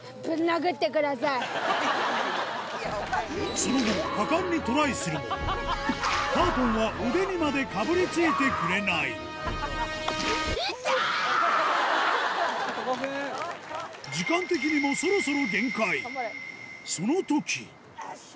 その後果敢にトライするもターポンは腕にまでかぶりついてくれないそろそろそのときよっしゃ！